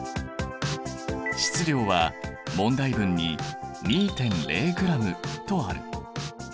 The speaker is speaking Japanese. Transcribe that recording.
質量は問題文に２．０ｇとある。